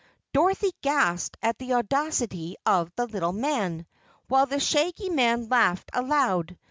Dorothy gasped at the audacity of the little man, while the Shaggy Man laughed aloud.